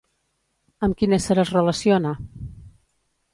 Amb quin ésser es relaciona?